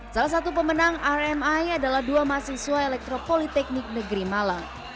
salah satu pemenang rmi adalah dua mahasiswa elektropoliteknik negeri malang